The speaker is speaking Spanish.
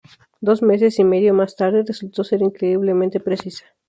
Dos meses y medio más tarde, resultó ser increíblemente precisa.